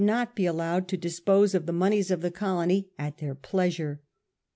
not be allowed to dispose of tlie moneys of the colony at their pleasure.